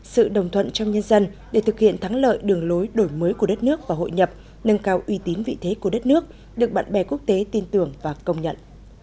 sự đồng thuận trong nhân dân để thực hiện thắng lợi đường lối đổi mới của đất nước và hội nhập nâng cao uy tín vị thế của đất nước được bạn bè quốc tế tin tưởng và công nhận